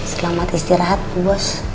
selamat istirahat bu bos